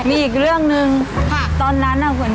มีอีกเรื่องนึงตอนนั้นอะ